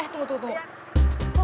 eh tunggu tunggu tunggu